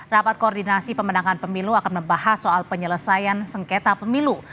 rapat koordinasi pemenangan pemilu akan membahas soal penyelesaian sengketa pemilu